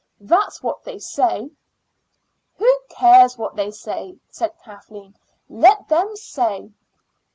That's what they say." "Who cares what they say?" said Kathleen. "Let them say."